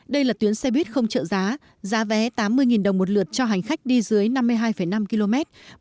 đây là tuyến xe buýt không trợ giá giá vé tám mươi đồng một lượt cho hành khách đi dưới năm mươi hai năm km